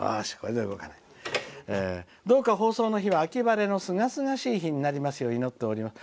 「どうか放送の日は秋晴れのすがすがしい日になりますよう祈っています」。